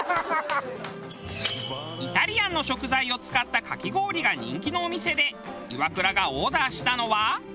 イタリアンの食材を使ったかき氷が人気のお店でイワクラがオーダーしたのは。